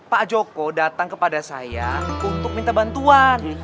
pak joko datang kepada saya untuk minta bantuan